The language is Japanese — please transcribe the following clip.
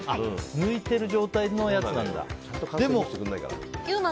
抜いてる状態のやつなんだ。